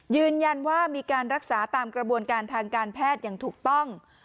ยืนยันว่ามีการรักษาตามกระบวนการทางการแพทย์อย่างถูกต้อง